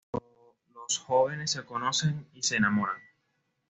Los jóvenes se conocen y se enamoran.